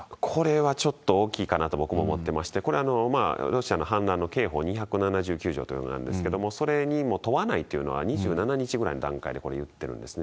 これはちょっと大きいかなと、僕も思ってまして、これ、ロシアの反乱の刑法２７９条というものなんですけれども、それにも問わないというのは、２７日ぐらいの段階で言ってるんですね。